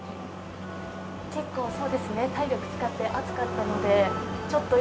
そうですね、体力使って暑かったのでちょっと